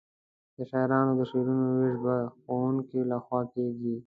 د شاعرانو د شعرونو وېش به د ښوونکي له خوا کیږي.